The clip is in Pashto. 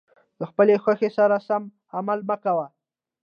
د خپلې خوښې سره سم عمل مه کوه.